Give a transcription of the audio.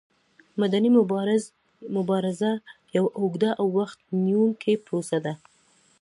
مدني مبارزه یوه اوږده او وخت نیوونکې پروسه ده.